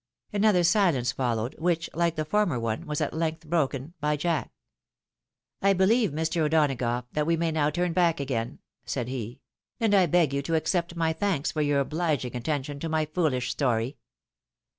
Another silence followed, which, like the former one, was at length broken by " Jack." " I believe, Mr. O'Donagough, that we may now turn back again," said he ;" and I beg you to accept my thanks for your obHging attention to my foolish story."